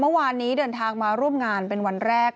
เมื่อวานนี้เดินทางมาร่วมงานเป็นวันแรก